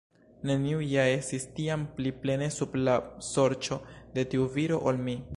Neniu ja estis tiam pli plene sub la sorĉo de tiu viro, ol mi.